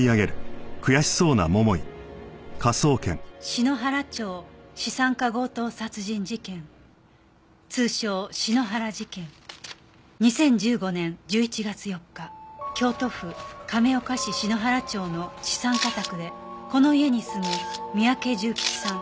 「篠原町資産家強盗殺人事件」「通称篠原事件」「２０１５年１１月４日京都府亀岡市篠原町の資産家宅でこの家に住む三宅重吉さん